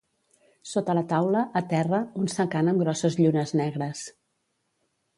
Sota la taula, a terra, un secant amb grosses llunes negres.